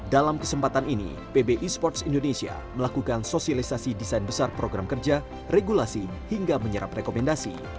dalam kesempatan ini pb e sports indonesia melakukan sosialisasi desain besar program kerja regulasi hingga menyerap rekomendasi